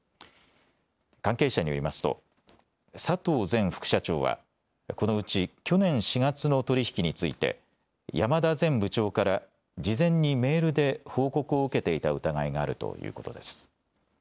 関係者によりますと佐藤前副社長はこのうち去年４月の取引について山田前部長から事前にメールで報告を受けていた疑いがあるということです。